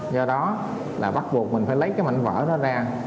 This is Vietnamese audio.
do đó là bắt buộc mình phải lấy cái mảnh vỡ đó ra